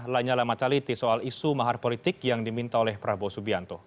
lanyala mataliti soal isu mahar politik yang diminta oleh prabowo subianto